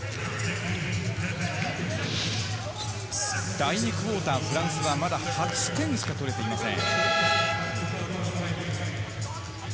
第２クオーター、フランスはまだ８点しか取れていません。